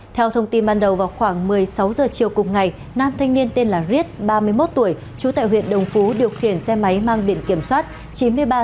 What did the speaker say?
theo thông tin ban đầu vào khoảng một mươi sáu h chiều cùng ngày nam thanh niên tên là riết ba mươi một tuổi chú tại huyện đồng phú điều khiển xe máy mang biện kiểm soát chín mươi ba c một trăm bốn mươi ba nghìn bảy trăm sáu mươi một